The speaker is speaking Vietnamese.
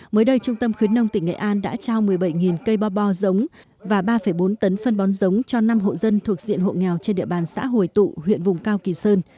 mới đây trung tâm khuyến nông tỉnh nghệ an đã trao một mươi bảy cây bo bo giống và ba bốn tấn phân bón giống cho năm hộ dân thuộc diện hộ nghèo trên địa bàn xã hồi tụ huyện vùng cao kỳ sơn